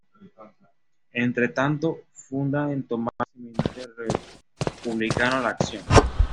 Entre tanto, funda en Tomar el semanario republicano "La Acción".